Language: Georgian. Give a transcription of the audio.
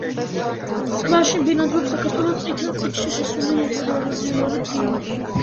ტბაში ბინადრობს საქართველოს წითელ წიგნში შესული მცირეაზიური ტრიტონი.